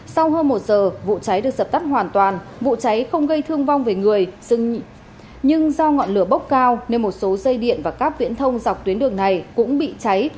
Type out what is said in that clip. sau hơn một giờ vụ cháy được sập tắt hoàn toàn vụ cháy không gây thương vong về người nhưng do ngọn lửa bốc cao nên một số dây điện và cáp viễn thông dọc tuyến đường này cũng bị cháy